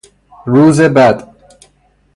روز بد